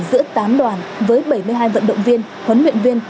giữa tám đoàn với bảy mươi hai vận động viên huấn luyện viên